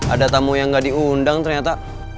ada tamu yang gak diundang ternyata